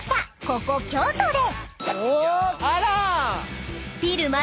ここ京都で］